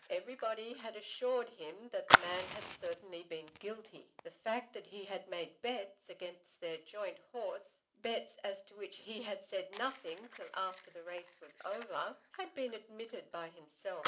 Everybody had assured him that the man had certainly been guilty. The fact that he had made bets against their joint horse, bets as to which he had said nothing till after the race was over, had been admitted by himself.